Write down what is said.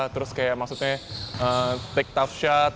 terus kayak maksudnya take tough shot